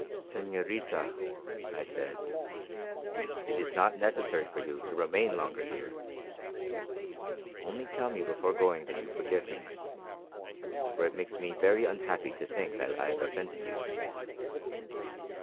"Señorita," I said, "it is not necessary for you to remain longer here. Only tell me before going that you forgive me, for it makes me very unhappy to think that I have offended you."